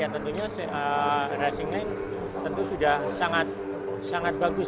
ya tentunya racing line tentu sudah sangat bagus